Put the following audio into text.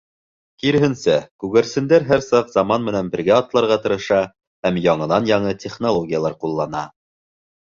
Киреһенсә, күгәрсендәр һәр саҡ заман менән бергә атларға тырыша һәм яңынан-яңы технологиялар ҡуллана.